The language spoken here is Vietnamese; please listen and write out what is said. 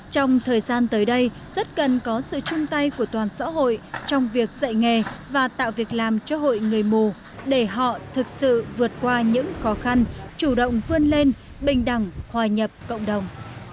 trong thời gian tới đây rất cần có sự chung tay của toàn xã hội trong việc dạy nghề và tạo việc làm cho hội người mù để họ thực sự vượt qua những khó khăn chủ động vươn lên bình đẳng hòa nhập cộng đồng